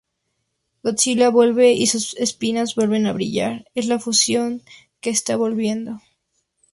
Godzilla vuelve, y sus espinas vuelven a brillar, es la fusión que está volviendo.